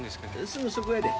すぐそこやで。